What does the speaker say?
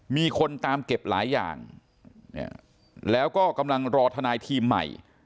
มีคนตามเก็บหลายอย่างแล้วก็กำลังรอทนายทีมใหม่